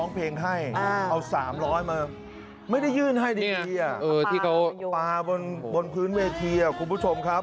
เพลงให้เอา๓๐๐มาไม่ได้ยื่นให้ดีที่เขาปลาบนพื้นเวทีคุณผู้ชมครับ